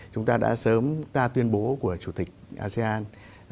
chúng ta đã sớm ta tuyên bố của chủ tịch asean